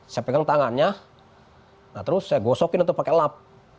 saya pegang tangannya nah terus saya gosokin untuk pakai lap